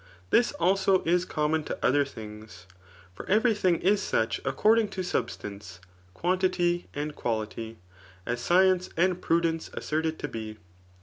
Thisi also, is common to other things. For every thing ia such CHAP. VII. ' ftHBTOEIC. 48 according to substance, quantity and quKty, as sctence and prudence assert it to be.